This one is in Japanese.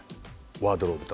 ワードローブとね。